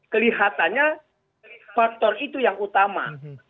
kelihatannya faktor itu yang utama